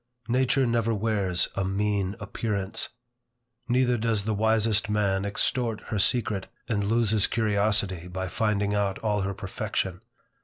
Nature never wears a mean appearance. Neither does the wisest man extort her secret, and lose his curiosity by finding out all her perfection.